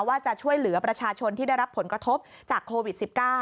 ว่าจะช่วยเหลือประชาชนที่ได้รับผลกระทบจากโควิด๑๙